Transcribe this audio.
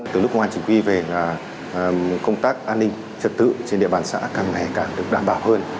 từ lúc công an chỉ huy về công tác an ninh trật tự trên địa bàn xã càng ngày càng được đảm bảo hơn